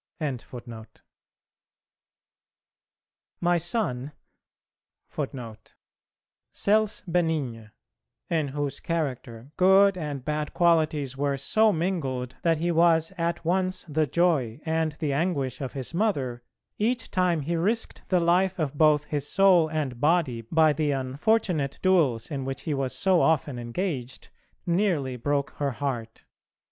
[B] Celse Benigne, in whose character good and bad qualities were so mingled that he was at once the joy and the anguish of his mother, each time he risked the life of both his soul and body by the unfortunate duels in which he was so often engaged, nearly broke her heart.